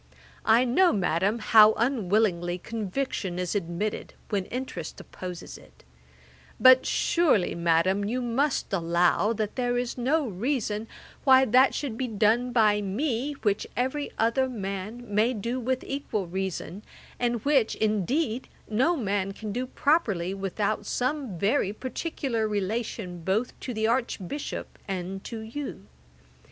I know, Madam, how unwillingly conviction is admitted, when interest opposes it; but surely, Madam, you must allow, that there is no reason why that should be done by me, which every other man may do with equal reason, and which, indeed, no man can do properly, without some very particular relation both to the Archbishop and to you.